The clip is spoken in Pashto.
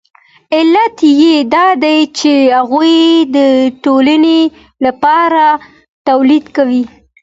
علت یې دا دی چې هغوی د ټولنې لپاره تولید کوي